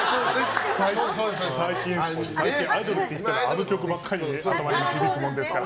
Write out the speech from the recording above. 最近、アイドルっていうとあの曲ばっかり頭に響くものですから。